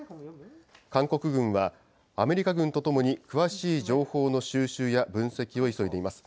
韓国軍は、アメリカ軍とともに詳しい情報の収集や分析を急いでいます。